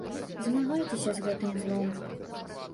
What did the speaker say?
Змагайцеся з гэтым злом.